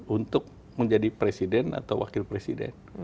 untuk menjadi presiden atau wakil presiden